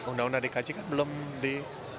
undang undang dikaji kan belum di